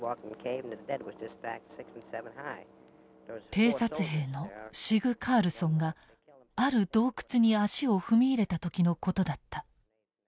偵察兵のシグ・カールソンがある洞窟に足を踏み入れた時のことだった。